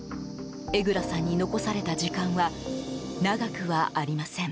江蔵さんに残された時間は長くはありません。